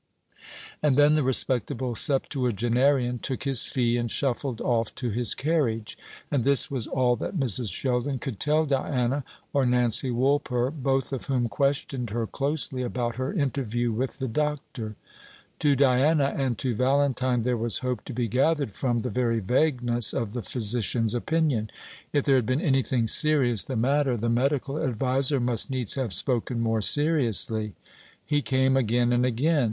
And then the respectable septuagenarian took his fee, and shuffled off to his carriage. And this was all that Mrs. Sheldon could tell Diana, or Nancy Woolper, both of whom questioned her closely about her interview with the doctor. To Diana and to Valentine there was hope to be gathered from the very vagueness of the physician's opinion. If there had been anything serious the matter, the medical adviser must needs have spoken more seriously. He came again and again.